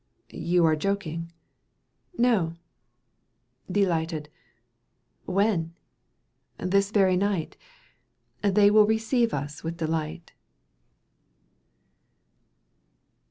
—" You are joking." —" No." — "Delighted."—" When ?"—« This very night. They will receive us with delight."